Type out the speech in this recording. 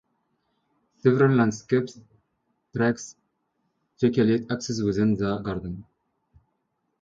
Several landscaped tracks facilitate access within the garden.